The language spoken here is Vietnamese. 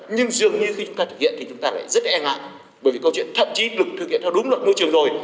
nhưng dường như khi chúng ta thực hiện thì chúng ta lại rất e ngại bởi vì câu chuyện thậm chí được thực hiện theo đúng luật môi trường rồi